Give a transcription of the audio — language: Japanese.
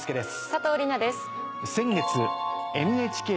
佐藤梨那です。